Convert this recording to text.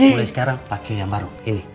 mulai sekarang pake yang baru